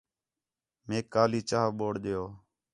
میک کالی چاہ بوڑ ݙیو